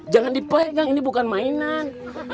jangan di pegang ini bukan mainan